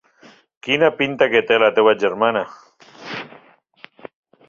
Quina pinta que té la teva germana.